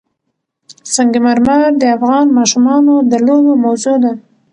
سنگ مرمر د افغان ماشومانو د لوبو موضوع ده.